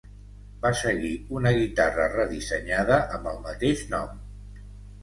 Va seguir una guitarra redissenyada amb el mateix nom.